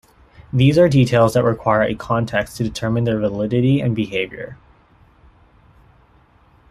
These are details that require a context to determine their validity and behaviour.